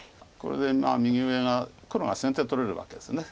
これで右上が黒が先手取れるわけです。